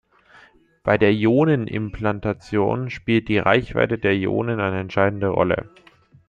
Bei der Ionenimplantation spielt die Reichweite der Ionen eine entscheidende Rolle.